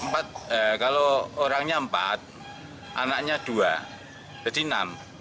empat kalau orangnya empat anaknya dua berarti enam